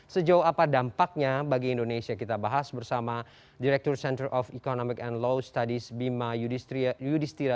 sejauh apa dampaknya bagi indonesia kita bahas bersama direktur center of economic and law studies bima yudhistira